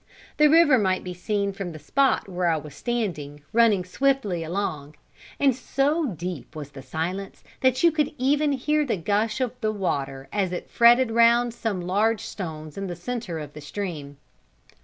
The river might be seen from the spot where I was standing, running swiftly along; and so deep was the silence that you could even hear the gush of the water as it fretted round some large stones in the centre of the stream.